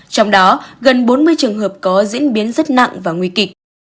trong đó gần bốn mươi trường hợp có diễn biến rất nặng và nguy kịch